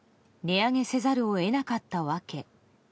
値上げせざるを得なかった訳。